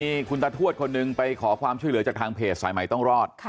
มีคุณตาทวดคนหนึ่งไปขอความช่วยเหลือจากทางเพจสายใหม่ต้องรอด